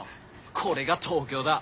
これが東京だ。